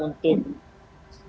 untuk menghalangi penyedikan